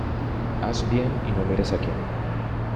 Haz bien y no mires a quien.